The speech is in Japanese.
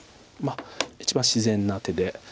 一番自然な手で。